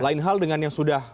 lain hal dengan yang sudah